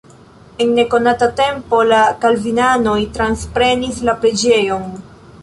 En nekonata tempo la kalvinanoj transprenis la preĝejon.